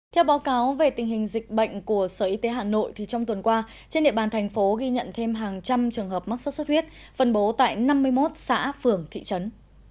theo báo cáo về tình hình dịch bệnh của sở y tế hà nội trong tuần qua trên địa bàn thành phố ghi nhận thêm hàng trăm trường hợp mắc sốt xuất huyết phân bố tại năm mươi một xã phường thị trấn